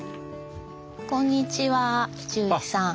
こんにちは純一さん。